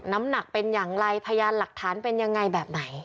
น้ำหนักเป็นอย่างไรพยานหลักฐานเป็นยังไงแบบไหน